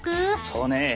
そうねえ。